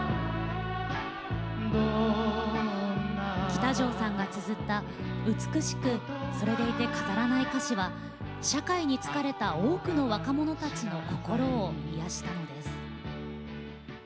喜多條さんがつづった美しくそれでいて飾らない歌詞は社会に疲れた多くの若者たちの心を癒やしたのです。